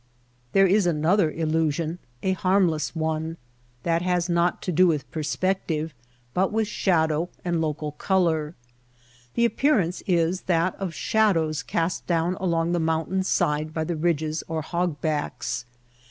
There is another illusion — a harmless one — ILLUSIONS 115 that has not to do with perspective but with shadow and local color. The appearance is that of shadows cast down along the mountain's side by the ridges or hogbacks.